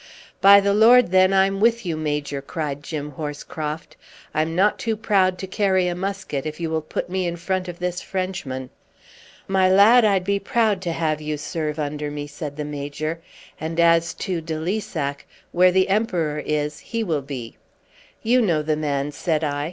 "By the Lord, then, I'm with you, Major!" cried Jim Horscroft. "I'm not too proud to carry a musket, if you will put me in front of this Frenchman." "My lad, I'd be proud to have you serve under me," said the Major. "And as to de Lissac, where the Emperor is he will be." "You know the man," said I.